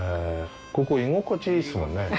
ここ居心地いいっすもんね。